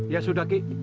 ya sudah ki